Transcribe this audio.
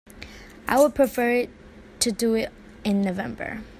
I would prefer to do it in November.